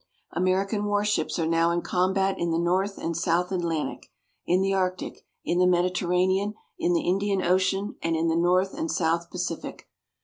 American warships are now in combat in the North and South Atlantic, in the Arctic, in the Mediterranean, in the Indian Ocean, and in the North and South Pacific.